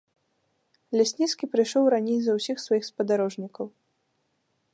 Лясніцкі прыйшоў раней за ўсіх сваіх спадарожнікаў.